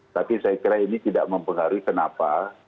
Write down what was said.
tapi saya kira ini tidak mempengaruhi kenapa